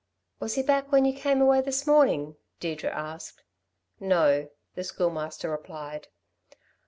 "Was he back when you came away this morning?" Deirdre asked. "No," the Schoolmaster replied.